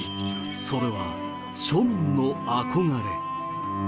それは、庶民の憧れ。